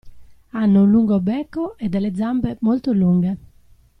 Hanno un lungo becco e delle zampe molto lunghe.